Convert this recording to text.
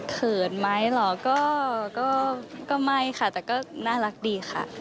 เขินไหมเหรอก็ไม่ค่ะแต่ก็น่ารักดีค่ะ